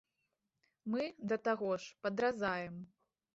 Мы, да таго ж, падразаем.